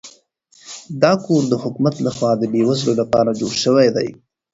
دا کور د حکومت لخوا د بې وزلو لپاره جوړ شوی دی.